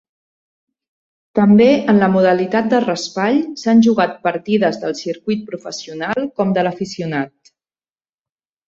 També en la modalitat de raspall s'han jugat partides del circuit professional com de l'aficionat.